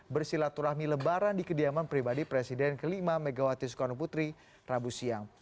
bersilaturahmi lebaran di kediaman pribadi presiden ke lima megawati soekarno putri rabu siang